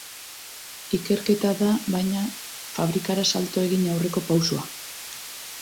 Ikerketa da, baina fabrikara salto egin aurreko pausoa.